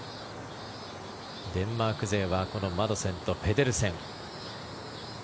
デンマーク勢はこのマドセンとペデルセン。